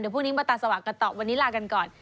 พรุ่งนี้มาตาสว่างกันต่อวันนี้ลากันก่อน